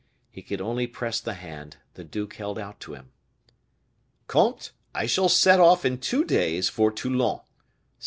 He could only press the hand the duke held out to him. "Comte, I shall set off in two days for Toulon," said M.